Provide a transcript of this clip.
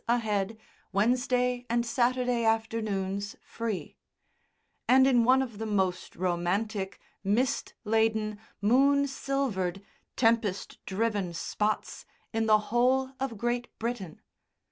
a head, Wednesday and Saturday afternoons free), and in one of the most romantic, mist laden, moon silvered, tempest driven spots in the whole of Great Britain.